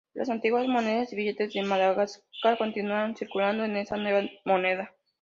Las antiguas monedas y billetes de Madagascar continuaron circulando en esta nueva moneda.